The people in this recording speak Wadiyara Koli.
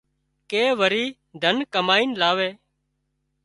ڪي وري ڌن ڪامئينَ لاوي